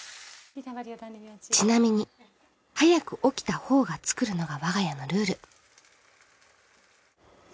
ちなみに早く起きたほうが作るのが我が家のルール。